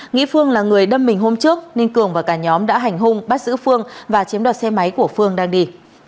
nghĩ phương là người đâm mình hôm trước nên cường và cả nhóm đã hành hung bắt giữ phương và chiếm đoạt xe máy của phương đang đi